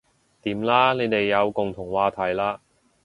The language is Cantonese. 掂啦你哋有共同話題喇